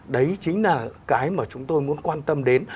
đấy chính là cái mà chúng tôi muốn quan tâm đến